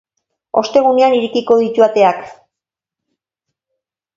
Ostegunean irekiko ditu ateak.